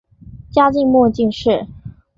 嘉靖末进士。